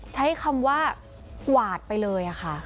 ใช้คำว่ากวาดไปเลยค่ะ